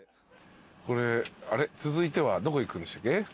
これ続いてはどこ行くんでしたっけ？